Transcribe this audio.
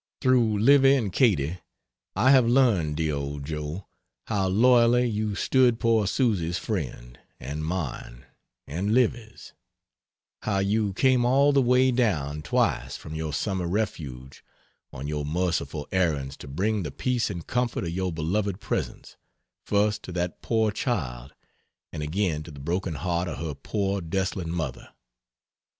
Through Livy and Katy I have learned, dear old Joe, how loyally you stood poor Susy's friend, and mine, and Livy's: how you came all the way down, twice, from your summer refuge on your merciful errands to bring the peace and comfort of your beloved presence, first to that poor child, and again to the broken heart of her poor desolate mother.